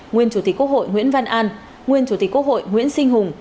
nguyên chủ tịch quốc hội nguyễn văn an nguyên chủ tịch quốc hội nguyễn sinh hùng